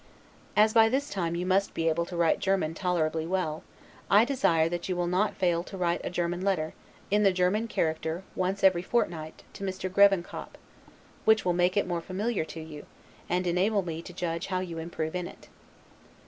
As by this time you must be able to write German tolerably well, I desire that you will not fail to write a German letter, in the German character, once every fortnight, to Mr. Grevenkop: which will make it more familiar to you, and enable me to judge how you improve in it.